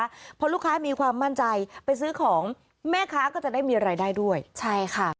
เพราะลูกค้ามีความมั่นใจไปซื้อของแม่ค้าก็จะได้มีรายได้ด้วยใช่ค่ะ